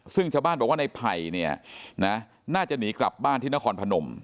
ซึ่งชาวบ้านบอกว่าในไผ่เนี่ยนะน่าจะหนีกลับบ้านที่นครพนม